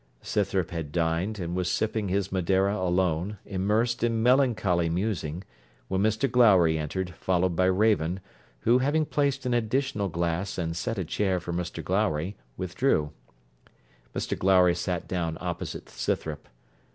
Scythrop had dined, and was sipping his Madeira alone, immersed in melancholy musing, when Mr Glowry entered, followed by Raven, who, having placed an additional glass and set a chair for Mr Glowry, withdrew. Mr Glowry sat down opposite Scythrop.